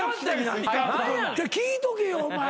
聞いとけよお前。